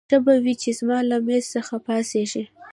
ښه به وي چې زما له مېز څخه پاڅېږې.